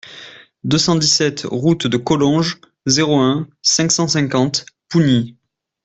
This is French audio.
deux cent dix-sept route de Collonges, zéro un, cinq cent cinquante Pougny